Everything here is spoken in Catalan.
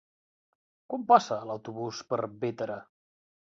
Quan passa l'autobús per Bétera?